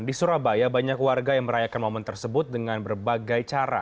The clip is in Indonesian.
di surabaya banyak warga yang merayakan momen tersebut dengan berbagai cara